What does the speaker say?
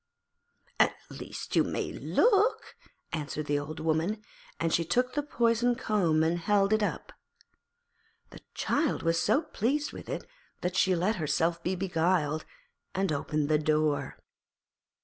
'At least you may look,' answered the Old Woman, and she took the poisoned comb and held it up. The child was so pleased with it that she let herself be beguiled, and opened the door.